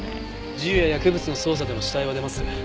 銃や薬物の捜査でも死体は出ます。